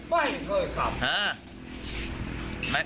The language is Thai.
ไม่เคยครับ